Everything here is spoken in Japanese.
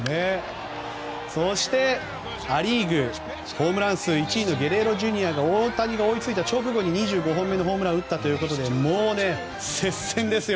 そしてア・リーグホームラン数１位のゲレーロＪｒが大谷が追いついた直後に２５本目のホームランを打ったということで接戦ですよ。